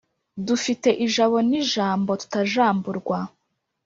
dufite ijabo n’ijambo tutajamburwa